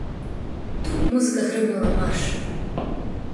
Тут музыка грымнула марш.